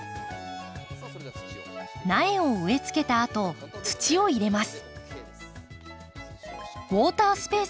苗を植え付けたあと土を入れます。